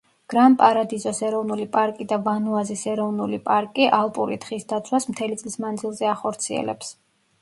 გრან-პარადიზოს ეროვნული პარკი და ვანუაზის ეროვნული პარკი ალპური თხის დაცვას მთელი წლის მანძილზე ახორციელებს.